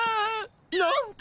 なんと！